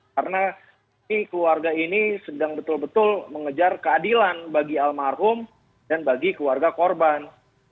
karena keluarga ini sedang betul betul mengejar keadilan bagi almarhum dan bagi keluarga korban